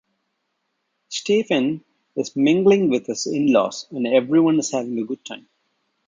Stephen is mingling with his in-laws and everyone is having a good time.